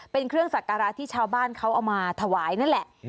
เป็นเครื่องสักการะที่ชาวบ้านเขาเอามาถวายนั่นแหละ